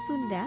itu lagi dong